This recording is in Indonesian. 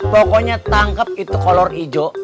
pokoknya tangkep itu kolor hijau